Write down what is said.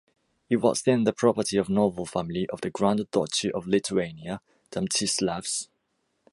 It was then the property of a noble family of the grand-duchy of Lithuania, the Mtsislavs.